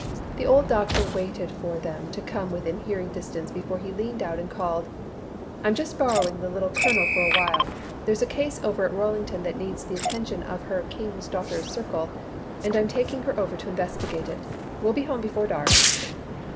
The old doctor waited for them to come within hearing distance before he leaned out and called: "I'm just borrowing the Little Colonel for awhile. There's a case over at Rollington that needs the attention of her King's Daughters Circle, and I'm taking her over to investigate it. We'll be home before dark."